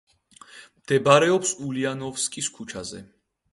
მდებარეობს ულიანოვსკის ქუჩაზე.